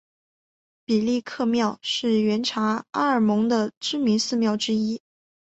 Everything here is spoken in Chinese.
毕力克庙是原察哈尔盟的知名寺庙之一。